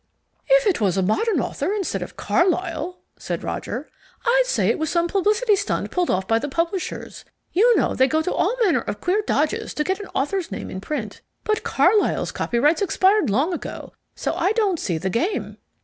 "If it was a modern author, instead of Carlyle," said Roger, "I'd say it was some publicity stunt pulled off by the publishers. You know they go to all manner of queer dodges to get an author's name in print. But Carlyle's copyrights expired long ago, so I don't see the game."